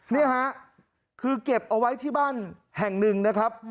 นี่ฮะคือเก็บเอาไว้ที่บ้านแห่งหนึ่งนะครับ